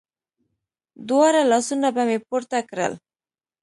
دواړه لاسونه به مې پورته کړل.